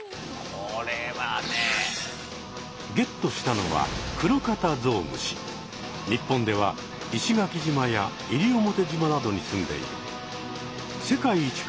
これはね。ゲットしたのは日本では石垣島や西表島などにすんでいる。